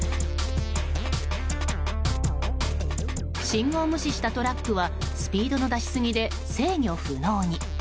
信号無視したトラックはスピードの出しすぎで制御不能に。